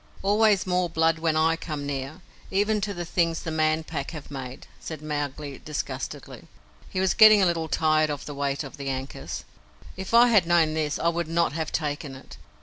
"Always more blood when I come near, even to the things the Man Pack have made," said Mowgli disgustedly. He was getting a little tired of the weight of the ankus. "If I had known this, I would not have taken it.